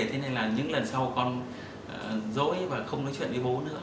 thế nên là những lần sau con rỗi và không nói chuyện với bố nữa